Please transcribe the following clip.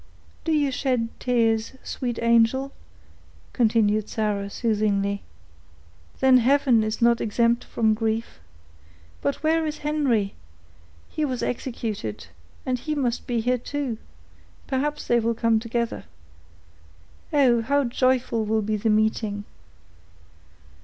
"Do you shed tears, sweet angel?" continued Sarah, soothingly. "Then heaven is not exempt from grief. But where is Henry? He was executed, and he must be here too; perhaps they will come together. Oh! how joyful will be the meeting!"